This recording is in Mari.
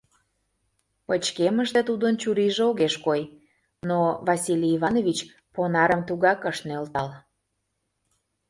Пычкемыште тудын чурийже огеш кой, но Василий Иванович понарым тугак ыш нӧлтал.